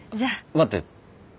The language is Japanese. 待って。